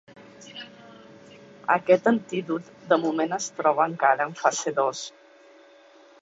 Aquest antídot de moment es troba encara en fase dos.